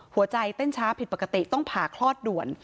หัวใจเต้นช้าผิดปกติต้องผ่าคลอดด่วน